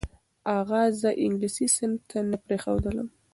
اغا زه انګلیسي صنف ته نه پرېښودلم.